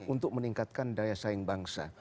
untuk meningkatkan daya saing bangsa